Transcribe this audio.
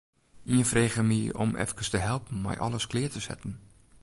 Ien frege my om efkes te helpen mei alles klear te setten.